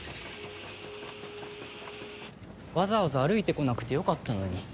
わざわざ歩いてこなくてよかったのに。